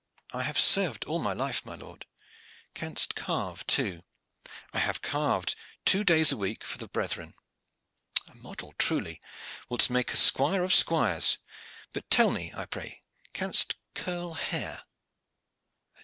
"I have served all my life, my lord." "Canst carve too?" "I have carved two days a week for the brethren." "A model truly! Wilt make a squire of squires. But tell me, I pray, canst curl hair?"